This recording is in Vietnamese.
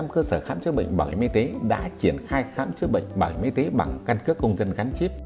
một trăm cơ sở khám chữa bệnh bảo hiểm y tế đã triển khai khám chữa bệnh bảo hiểm y tế bằng căn cước công dân gắn chip